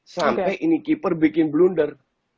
sampai ini keeper bikin blunder